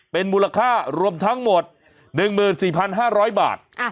เป็นมูลค่ารวมทั้งหมดหนึ่งหมื่นสี่พันห้าร้อยบาทอ่ะ